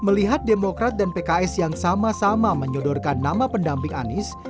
melihat demokrat dan pks yang sama sama menyodorkan nama pendamping anies